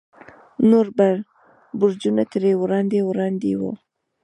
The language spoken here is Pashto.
نور برجونه ترې وړاندې وړاندې وو.